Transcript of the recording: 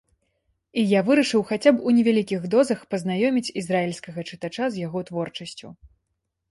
І я вырашыў хаця б у невялікіх дозах пазнаёміць ізраільскага чытача з яго творчасцю.